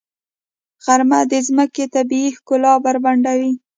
غرمه د ځمکې طبیعي ښکلا بربنډوي.